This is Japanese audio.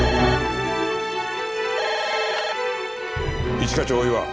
一課長大岩。